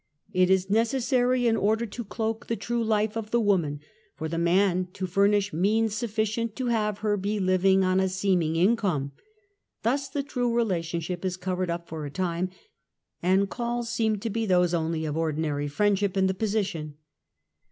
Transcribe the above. It is necessary in order to cloak the true life of the woman, for the man to furnish means sufficient to have her be living on a seeming income. Thus the true relationship is covered up for a time, and calls seem to be those only of ordinary friendship in the position.